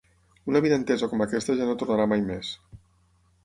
Una avinentesa com aquesta ja no tornarà mai més.